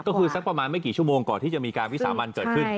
ก็คือสักประมาณไม่กี่ชั่วโมงก่อนที่จะมีการวิสามันเกิดขึ้น